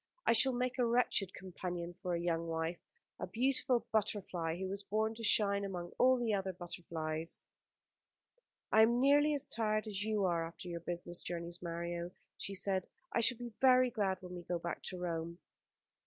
I should make a wretched companion for a young wife, a beautiful butterfly who was born to shine among all the other butterflies." "I am nearly as tired as you are after your business journeys, Mario," she said. "I shall be very glad when we can go back to Rome."